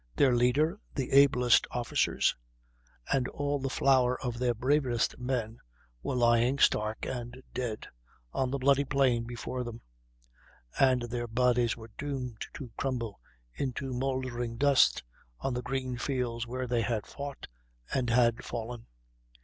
Their leader, the ablest officers, and all the flower of their bravest men were lying, stark and dead, on the bloody plain before them; and their bodies were doomed to crumble into mouldering dust on the green fields where they had fought and had fallen.